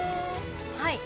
はい。